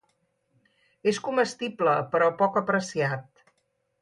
És comestible però poc apreciat.